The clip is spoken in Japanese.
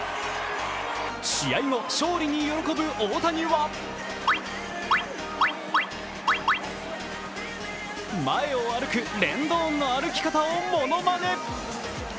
試合後、勝利に喜ぶ大谷は前を歩くレンドンの歩き方をものまね。